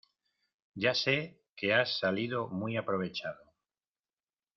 Ya sé que has salido muy aprovechado.